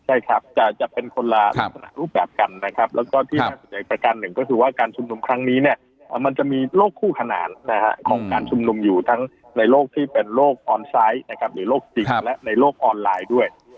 ใช่ครับจะเป็นคนละลักษณะรูปแบบกันนะครับแล้วก็ที่น่าสนใจประการหนึ่งก็คือว่าการชุมนุมครั้งนี้เนี่ยมันจะมีโรคคู่ขนาดของการชุมนุมอยู่ทั้งในโลกที่เป็นโรคออนไซต์นะครับหรือโรคจริงและในโลกออนไลน์ด้วย